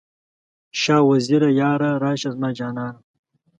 شاه وزیره یاره، راشه زما جانه؟